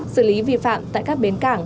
xử lý vi phạm tại các ngành chức năng